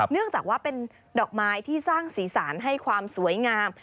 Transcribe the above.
เนื่องจากว่าเป็นดอกไม้ที่สร้างสีสารให้ความสวยงาม